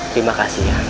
terima kasih ya